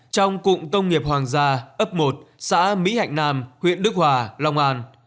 trong cụm công nghiệp hoàng gia ấp một xã mỹ hạnh nam huyện đức hòa long an